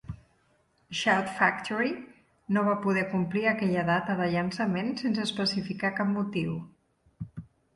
Shout Factory no va poder complir aquella data de llançament sense especificar cap motiu.